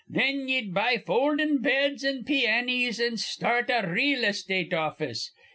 Thin ye'd buy foldin' beds an' piannies, an' start a reel estate office.